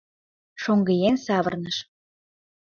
Шоҥгыеҥ савырныш.